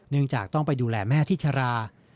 เนื่องจากต้องไปดูแลแม่ที่ชรา